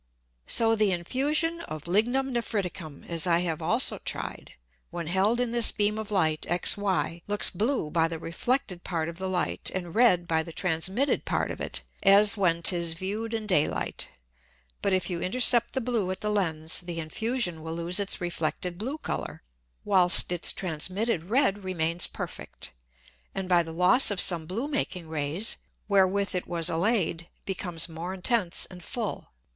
So the Infusion of Lignum Nephriticum (as I have also tried) when held in this beam of Light XY, looks blue by the reflected Part of the Light, and red by the transmitted Part of it, as when 'tis view'd in Day light; but if you intercept the blue at the Lens the Infusion will lose its reflected blue Colour, whilst its transmitted red remains perfect, and by the loss of some blue making Rays, wherewith it was allay'd, becomes more intense and full.